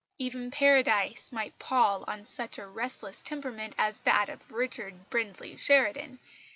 Even Paradise might pall on such a restless temperament as that of Richard Brinsley Sheridan.